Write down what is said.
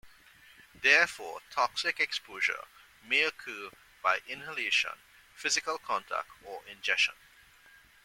Therefore, toxic exposure may occur by inhalation, physical contact, or ingestion.